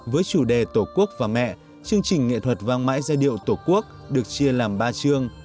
với chủ đề tổ quốc và mẹ chương trình nghệ thuật vang mãi giai điệu tổ quốc được chia làm ba chương